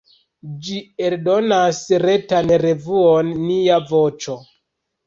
Ĝi eldonas retan revuon "Nia Voĉo".